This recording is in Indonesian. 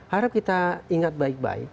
harap kita ingat baik baik